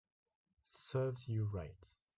Serves you right